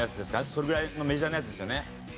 それぐらいのメジャーなやつですよね？